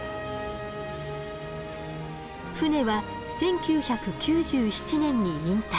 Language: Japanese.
船は１９９７年に引退。